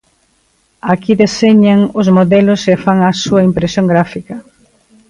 Aquí deseñan os modelos e fan a súa impresión gráfica.